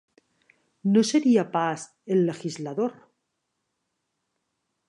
No seria pas "El legislador"?